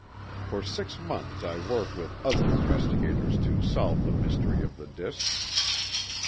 For six months, I worked with other investigators to solve the mystery of the disks.